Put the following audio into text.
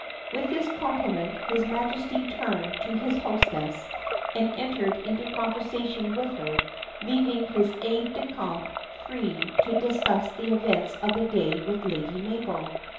With this compliment his Majesty turned to his hostess and entered into conversation with her, leaving his aide de camp free to discuss the events of the day with Lady Mabel.